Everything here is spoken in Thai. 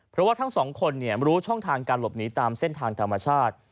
เพราะว่าทั้งสองคนรู้ช่องทางการหลบหนีตามเส้นทางธรรมชาติ